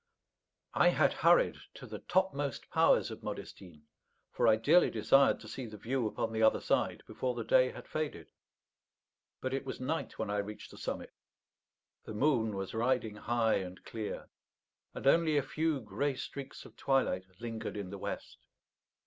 I had hurried to the topmost powers of Modestine, for I dearly desired to see the view upon the other side before the day had faded. But it was night when I reached the summit; the moon was riding high and clear; and only a few grey streaks of twilight lingered in the west.